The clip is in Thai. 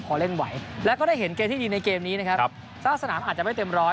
พอเล่นไหวแล้วก็ได้เห็นเกมที่ดีในเกมนี้นะครับสร้างสนามอาจจะไม่เต็มร้อย